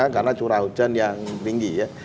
karena curah hujan yang tinggi ya